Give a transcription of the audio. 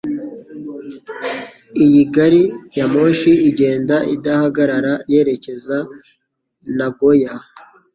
Iyi gari ya moshi igenda idahagarara yerekeza Nagoya.